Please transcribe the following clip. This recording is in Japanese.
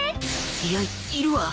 いやいるわ